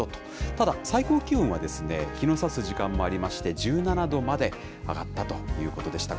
ただ、最高気温は、日のさす時間もありまして、１７度まで上がったということでした。